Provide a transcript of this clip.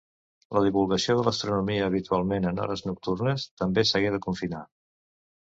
La divulgació de l’astronomia, habitualment en hores nocturnes, també s’hagué de confinar.